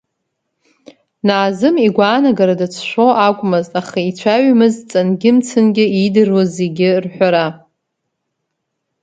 Наазым игәаанагара дацәшәо акәмызт, аха ицәаҩамызт ҵангьы-мцынгьы иидыруа зегь рҳәара.